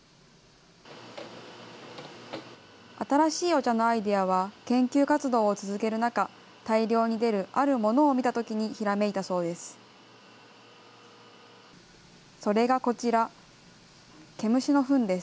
新しいお茶のアイデアは、研究活動を続ける中、大量に出るあるものを見たときにひらめいたそうです。